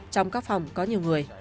trong các phòng có nhiều người